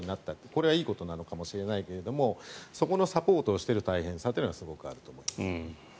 これはいいことなのかもしれないけどそこのサポートをしている大変さがすごくあると思います。